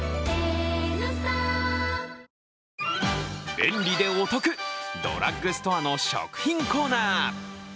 便利でお得、ドラッグストアの食品コーナー。